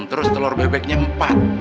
terus telur bebeknya empat